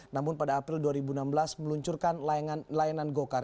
namun pada april dua ribu enam belas meluncurkan layanan go kart